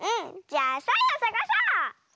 じゃあサイをさがそう！